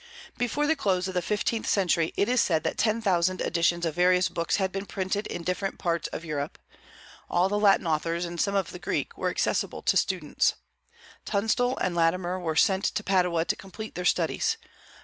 Before the close of the fifteenth century, it is said that ten thousand editions of various books had been printed in different parts of Europe. All the Latin authors, and some of the Greek, were accessible to students. Tunstall and Latimer were sent to Padua to complete their studies.